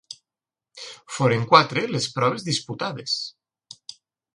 Foren quatre les proves disputades.